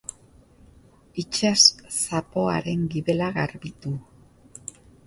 Itsas zapoaren gibela garbitu.